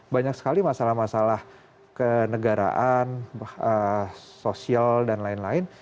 banyak sekali masalah masalah kenegaraan sosial dan lain lain